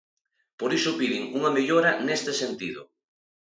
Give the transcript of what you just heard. Por iso piden unha mellora neste sentido.